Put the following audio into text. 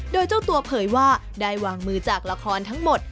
โดยเจ้าตัวเผยว่าได้วางมือจากละครทั้งหมด